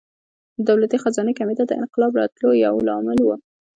د دولتي خزانې کمېدل د انقلاب راتلو یو لامل و.